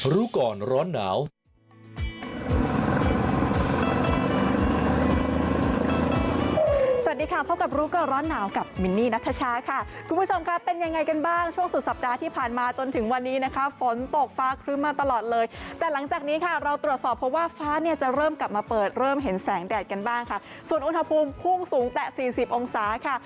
ก่อนร้อนหนาวพบกับรู้ก่อนร้อนหนาวกับมินนี่นัทชาค่ะคุณผู้ชมค่ะเป็นยังไงกันบ้างช่วงสุดสัปดาห์ที่ผ่านมาจนถึงวันนี้นะคะฝนตกฟ้าครึ้มมาตลอดเลยแต่หลังจากนี้ค่ะเราตรวจสอบเพราะว่าฟ้าเนี่ยจะเริ่มกลับมาเปิดเริ่มเห็นแสงแดดกันบ้างค่ะส่วนอุณหภูมิพุ่งสูงแต่สี่สิบองศาค่ะ